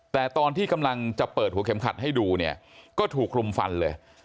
แต่ตอนที่กำลังจะเปิดหัวเข็มขัดให้ดูเนี่ยก็ถูกรุมฟันเลย